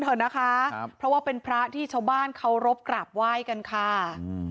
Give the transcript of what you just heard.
เถอะนะคะครับเพราะว่าเป็นพระที่ชาวบ้านเคารพกราบไหว้กันค่ะอืม